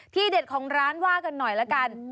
เด็ดของร้านว่ากันหน่อยละกัน